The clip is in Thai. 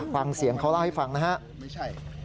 ฟังเสียงเขาเล่าให้ฟังนะครับ